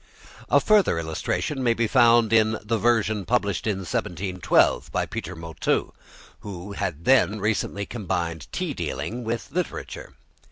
A further illustration may be found in the version published in 1712 by Peter Motteux, who had then recently combined tea dealing with literature.